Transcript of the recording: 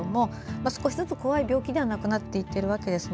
少しずつ怖い病気ではなくなっていっているわけですね。